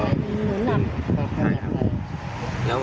เหมือนหลับใช่ครับ